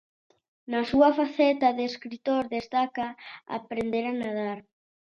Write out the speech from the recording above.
Na súa faceta de escritor destaca Aprender a nadar.